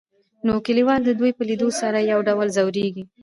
نو ليکوال د دوي په ليدو سره يو ډول ځوريږي.